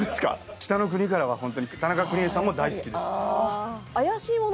『北の国から』は本当に田中邦衛さんも大好きです。